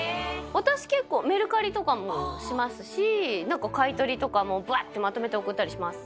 私結構、メルカリとかもしますし、なんか買い取りとかも、ぶわっとまとめて送ったりします。